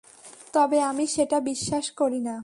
তবে আমি সেটা বিশ্বাস করি না।